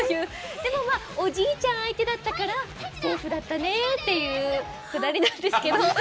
でもおじいちゃん相手だったからセーフだったねっていうくだりなんですけど。